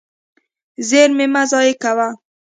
زیرمې مه ضایع کوه.